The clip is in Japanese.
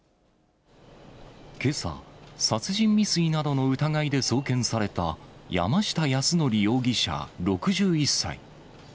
けさ、殺人未遂などの疑いで送検された山下泰範容疑者６１歳。